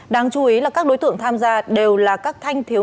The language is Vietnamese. đáng chú ý là các đối tượng tham gia đều là các thanh thiếu